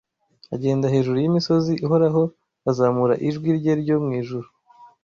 Agenda hejuru yimisozi ihoraho, azamura ijwi rye ryo mwijuru